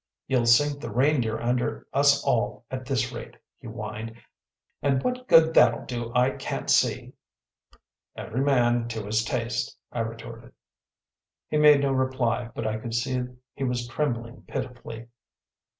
“You’ll sink the Reindeer under us all at this rate,‚ÄĚ he whined. “And what good that’ll do I can’t see.‚ÄĚ “Every man to his taste,‚ÄĚ I retorted. He made no reply, but I could see he was trembling pitifully.